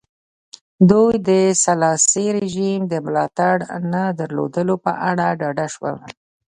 دوی د سلاسي رژیم د ملاتړ نه درلودلو په اړه ډاډه شول.